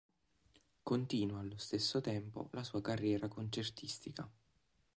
Continua allo stesso tempo la sua carriera concertistica.